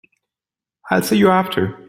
I'll see you after.